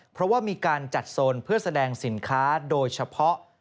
เพราะว่ามีการจัดโซนเพื่อแสดงสินค้าโดยเฉพาะ